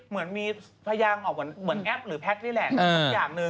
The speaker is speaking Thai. เหมือนมีพลาย่างเหมือนแอปหรือแพพนี่แหละ